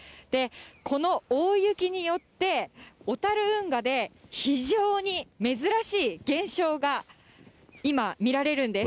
この大雪によって小樽運河で、非常に珍しい現象が今、見られるんです。